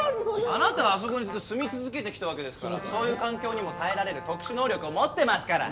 あなたはあそこにずっと住み続けてきたわけですからそういう環境にも耐えられる特殊能力を持ってますから。